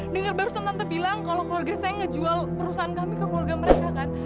dengar barusan tante bilang kalau keluarga saya ngejual perusahaan kami ke keluarga mereka kan